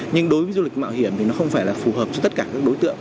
nhưng đối với du lịch mạo hiểm thì nó không phải là phù hợp cho tất cả các đối tượng